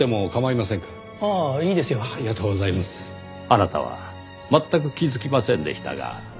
あなたは全く気づきませんでしたが。